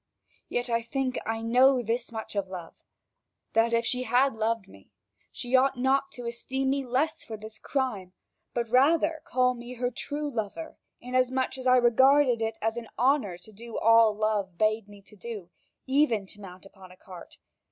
But I think I know this much of love: that if she loved me, she ought not to esteem me less for this crime, but rather call me her true lover, inasmuch as I regarded it as an honour to do all love bade me do, even to mount upon a cart.